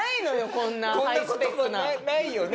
こんな事ないよね？